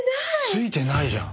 ついてないじゃん。